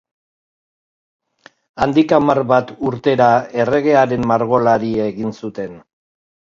Handik hamar bat urtera, erregearen margolari egin zuten.